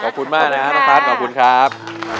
ขอบคุณมากนะน้องพัทรขอบคุณครับ